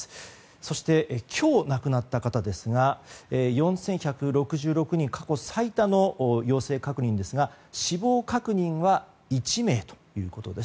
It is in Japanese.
そして、今日亡くなった方ですが４１６６人という過去最多の陽性確認ですが死亡確認は１名ということです。